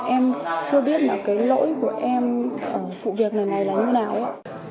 em chưa biết lỗi của em ở vụ việc này là như thế nào